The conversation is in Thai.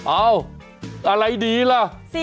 อะไรดีล่ะ